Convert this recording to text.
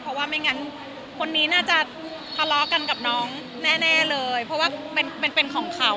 เพราะว่าไม่งั้นคนนี้น่าจะทะเลาะกันกับน้องแน่เลยเพราะว่าเป็นของเขา